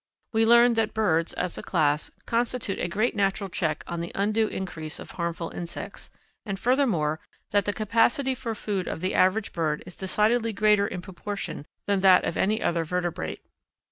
We learn that birds, as a class, constitute a great natural check on the undue increase of harmful insects, and furthermore that the capacity for food of the average bird is decidedly greater in proportion than that of any other vertebrate.